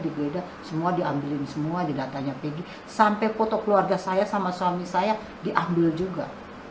digeledah semua diambilin semua di datanya pergi sampai foto keluarga saya sama suami saya diambil juga